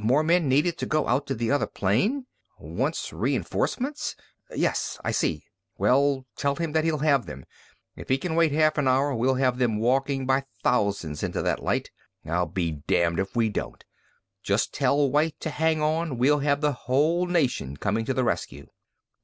More men needed to go out to the other plane. Wants reinforcements. Yes. I see. Well, tell him that he'll have them. If he can wait half an hour we'll have them walking by thousands into that light. I'll be damned if we won't! Just tell White to hang on! We'll have the whole nation coming to the rescue!"